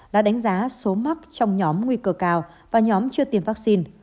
đã đánh giá số mắc trong nhóm nguy cơ cao và nhóm chưa tiêm vaccine